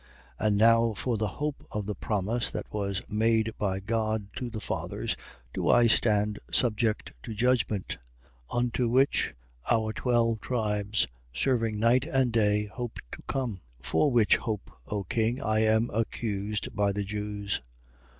26:6. And now for the hope of the promise that was made by God to the fathers, do I stand subject to judgment: 26:7. Unto which, our twelve tribes, serving night and day, hope to come. For which hope, O king, I am accused by the Jews.